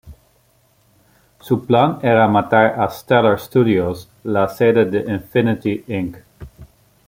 Su plan era matar a Stellar Studios, la sede de Infinity, Inc.